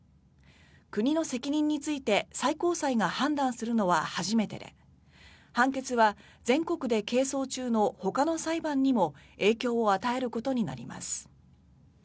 国の責任について最高裁が判断するのは初めてで判決は全国で係争中のほかの裁判にも影響を与えることになります。